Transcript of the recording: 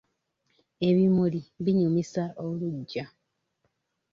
Ebimuli binyumisa oluggya.